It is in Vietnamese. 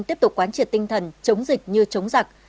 tiếp tục quán triệt tinh thần chống dịch như chống giặc